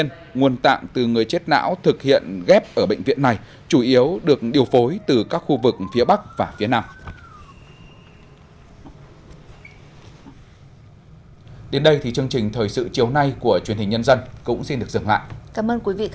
nguồn tạng từ người chết não thực hiện ghép ở bệnh viện này chủ yếu được điều phối từ các khu vực phía bắc và phía nam